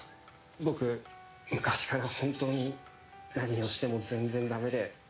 僕昔から本当に何をしても全然ダメで。